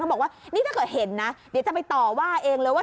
บอกว่านี่ถ้าเกิดเห็นนะเดี๋ยวจะไปต่อว่าเองเลยว่า